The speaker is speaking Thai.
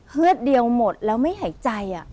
เลือดเดียวหมดแล้วไม่หายใจ